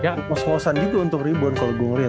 ya kos kosan juga untuk